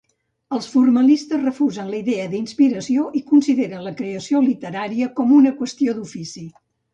Els formalistes refusen la idea d'inspiració i consideren la creació literària com una qüestió d'ofici.